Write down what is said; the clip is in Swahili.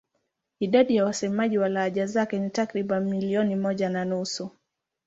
Idadi ya wasemaji wa lahaja zake ni takriban milioni moja na nusu.